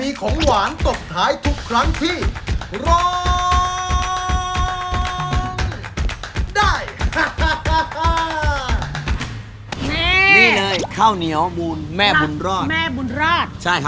ยิ่งจิ้มกับน้ำจิ้มสูดเด็ด